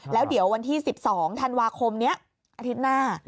แล้วเดี๋ยววันที่๑๒ธันวาคมนี้อาทิตย์หน้า